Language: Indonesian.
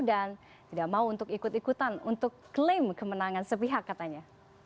dan tidak mau untuk ikut ikutan untuk klaim kemenangan sepihak katanya